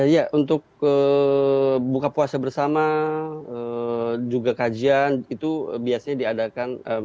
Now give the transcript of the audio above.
ya untuk buka puasa bersama juga kajian itu biasanya diadakan